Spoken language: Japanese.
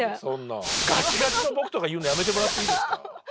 ガチガチの僕とか言うのやめてもらっていいですか。